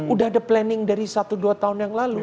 udah ada planning dari satu dua tahun yang lalu